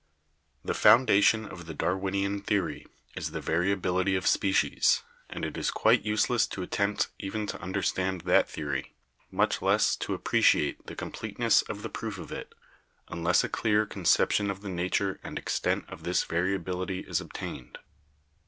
The foundation of the Darwinian theory is the variabil ity of species, and it is quite useless to attempt even to understand that theory, much less to appreciate the com pleteness of the proof of it, unless a clear conception of the nature and extent of this variability is obtained.